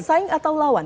pesaing atau lawan